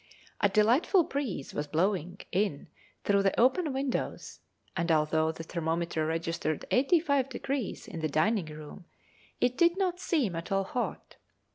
A delightful breeze was blowing in through the open windows, and although the thermometer registered 85° in the dining room, it did not seem at all hot.